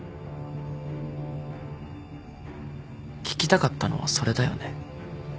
聞きたかったのはそれだよね？